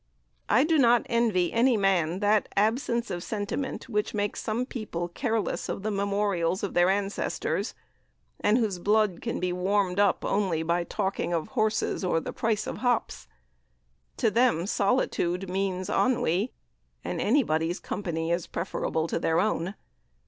I do not envy any man that absence of sentiment which makes some people careless of the memorials of their ancestors, and whose blood can be warmed up only by talking of horses or the price of hops. To them solitude means ennui, and anybody's company is preferable to their own.